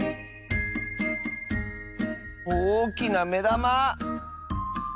おおきなめだま！